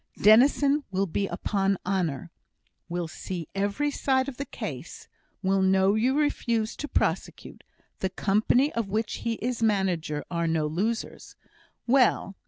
Dennison will be upon honour will see every side of the case will know you refuse to prosecute; the Company of which he is manager are no losers. Well!